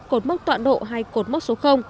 cột mốc toạn độ hay cột mốc số